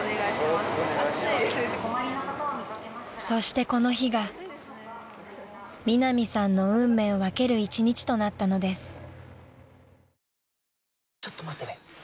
［そしてこの日がミナミさんの運命を分ける１日となったのです］